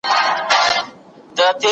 شرعي دلائل ئې مخکي ذکر سوي دي.